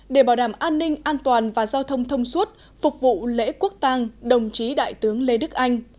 để bảo đảm an ninh an toàn và giao thông thông suốt phục vụ lễ quốc tàng đồng chí đại tướng lê đức anh